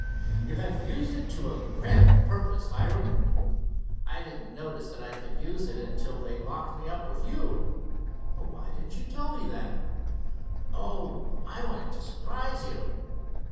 "You have used it to a grand purpose, Hiram." "I didn't notice that I could use it until they locked me up with you." "Why didn't you tell me then?" "Oh, I wanted to surprise you."